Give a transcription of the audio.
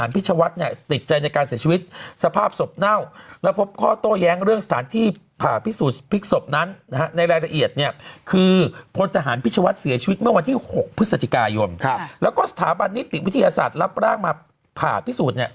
แล้วก็สถาบันนิติวิทยาศาสตร์รับร่างมาผ่าพิสูจน์เนี่ย